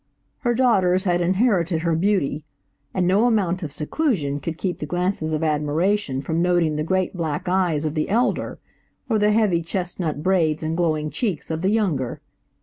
Her daughters had inherited her beauty, and no amount of seclusion could keep the glances of admiration from noting the great black eyes of the elder, or the heavy chestnut braids and glowing cheeks of the younger.